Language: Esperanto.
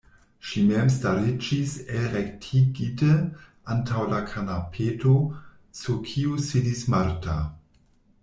Ŝi mem stariĝis elrektigite antaŭ la kanapeto, sur kiu sidis Marta.